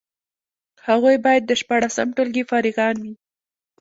هغوی باید د شپاړسم ټولګي فارغان وي.